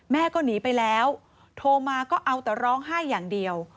แม่ก็หนีไปแล้วโทรมาก็เอาแต่ร้องไห้อย่างเดียว